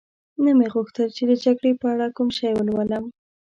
نه مې غوښتل چي د جګړې په اړه کوم شی ولولم.